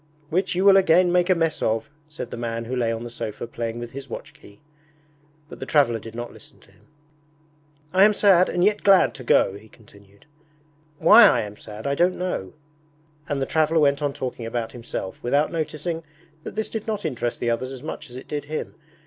'Which you will again make a mess of,' said the man who lay on the sofa playing with his watch key. But the traveller did not listen to him. 'I am sad and yet glad to go,' he continued. 'Why I am sad I don't know.' And the traveller went on talking about himself, without noticing that this did not interest the others as much as it did him.